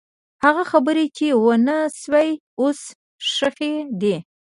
هغه خبرې چې ونه شوې، اوس ښخې دي.